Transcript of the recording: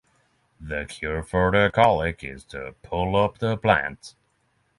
The cure for the colic is to pull up the plant.